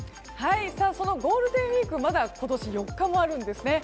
そのゴールデンウィークまだ今年４日もあるんですね。